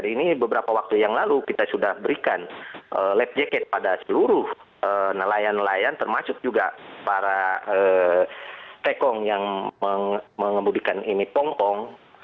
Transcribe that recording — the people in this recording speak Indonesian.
ini beberapa waktu yang lalu kita sudah berikan lap jacket pada seluruh nelayan nelayan termasuk juga para tekong yang mengemudikan ini pongkong